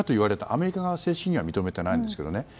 アメリカが正式には認めていないんですけどね。